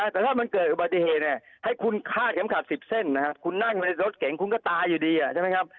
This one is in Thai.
แต่ถ้ามันเกิดอุบัติเหตุให้คุณฆ่าเข็มขัด๑๐เส้นนะครับคุณนั่งในรถเก่งคุณก็ตายอยู่ดีใช่ไหมครับ